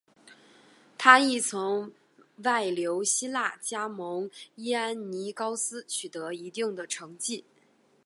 他亦曾外流希腊加盟伊安尼高斯取得一定的成绩。